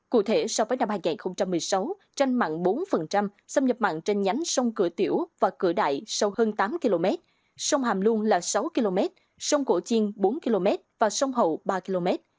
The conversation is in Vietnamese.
cụ thể so với năm hai nghìn một mươi sáu tranh mặn bốn xâm nhập mặn trên nhánh sông cửa tiểu và cửa đại sâu hơn tám km sông hàm luông là sáu km sông cổ chiên bốn km và sông hậu ba km